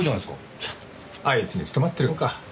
いやあいつに務まってるかどうか。